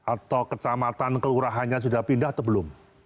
atau kecamatan kelurahannya sudah pindah atau belum